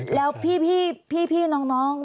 แล้วพี่น้อง